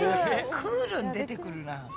クールに出てくるな。